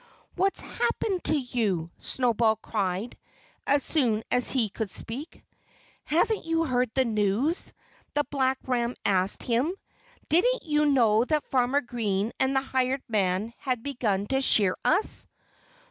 "What's happened to you?" Snowball cried, as soon as he could speak. "Haven't you heard the news?" the black ram asked him. "Didn't you know that Farmer Green and the hired man had begun to shear us?"